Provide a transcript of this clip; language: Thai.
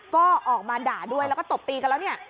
ก็ออกมาด่าด้วยแล้วก็ตบตีกันแล้วเนี่ย